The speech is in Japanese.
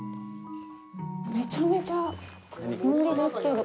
めちゃめちゃ森ですけど。